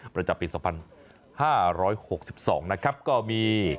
ประจำปีสองพันห้าร้อยหกสิบสองนะครับก็มี